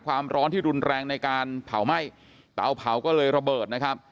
ความร้อนที่รุนแรงในการเผาไหม้เตาเผาก็เลยระเบิดนะครับ